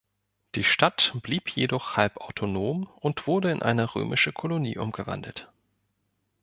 Die Stadt blieb jedoch halb autonom und wurde in eine römische Kolonie umgewandelt.